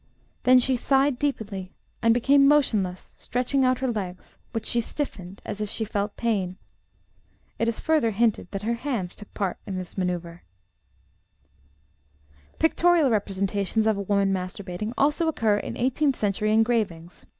Then she sighed deeply, and became motionless, stretching out her legs, which she stiffened, as if she felt pain." It is further hinted that her hands took part in this manoeuvre (Monsieur Nicolas, vol. vi, p. 143). Pictorial representations of a woman masturbating also occur in eighteenth century engravings.